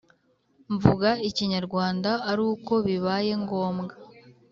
Mvuga iKinyarwanda aruko bibaye ngombwa